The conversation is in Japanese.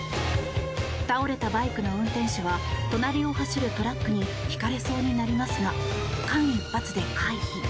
倒れたバイクの運転手は隣を走るトラックにひかれそうになりますが間一髪で回避。